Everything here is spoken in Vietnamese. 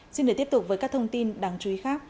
xin để tiếp tục với các thông tin đáng chú ý khác